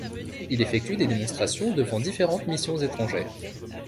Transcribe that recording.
Il effectue des démonstrations devant différentes missions étrangères.